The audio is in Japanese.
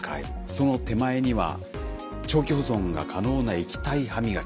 その手前には長期保存が可能な液体はみがき。